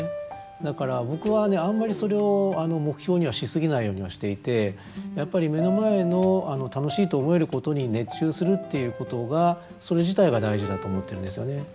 だから僕はねあんまりそれを目標にはしすぎないようにはしていてやっぱり目の前の楽しいと思えることに熱中するっていうことがそれ自体が大事だと思ってるんですよね。